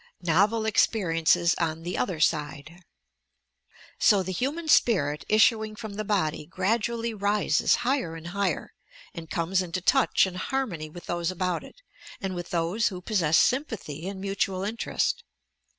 NOVEL EXPEEIENCES ON "THE OTHEB SIDB" So the human spirit, issuing from the body, grad ually rises higher and higher, and comes into touch and harmony with those about it, and with those who pos sess sympathy and mutual interest.